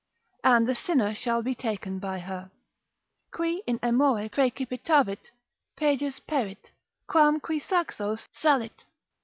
and the sinner shall be taken by her. Qui in amore praecipitavit, pejus perit, quam qui saxo salit.